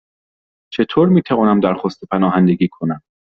چطور می توانم درخواست پناهندگی کنم؟